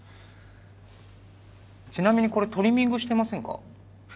ちなみにこれトリミングしてませんか？